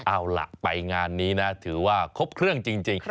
เอาล่ะไปงานนี้นะถือว่าครบเครื่องจริง